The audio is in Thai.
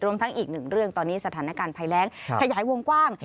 ทั้งอีกหนึ่งเรื่องตอนนี้สถานการณ์ภัยแรงขยายวงกว้าง